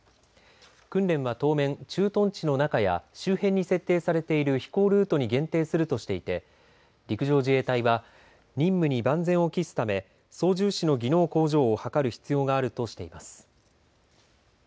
訓練は当面、駐屯地の中や周辺に設置されている飛行ルートに限定するとしていて陸上自衛隊は任務に万全を期すため操縦士の技能向上を図る必要があるとしています。